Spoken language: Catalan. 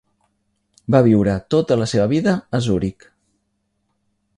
Va viure tota la seva vida a Zuric.